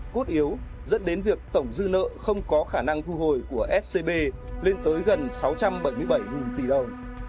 cốt yếu dẫn đến việc tổng dư nợ không có khả năng thu hồi của scb lên tới gần sáu trăm bảy mươi bảy tỷ đồng